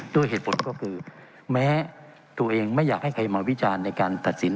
ด้วยเหตุผลก็คือแม้ตัวเองไม่อยากให้ใครมาวิจารณ์ในการตัดสิน